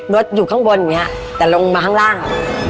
รถอยู่ข้างบนอย่างนี้แต่ลงมาข้างล่าง